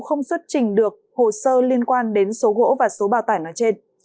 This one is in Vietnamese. không xuất trình được hồ sơ liên quan đến số gỗ và số bao tải nói trên